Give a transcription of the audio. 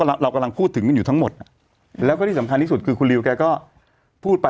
เค้าก็จะมีตัวเลขติดให้แต่ละคนน่ะ